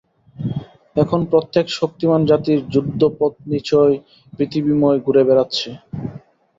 এখন প্রত্যেক শক্তিমান জাতির যুদ্ধপোতনিচয় পৃথিবীময় ঘুরে বেড়াচ্চে।